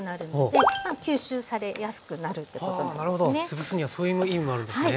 つぶすにはそういう意味もあるんですね。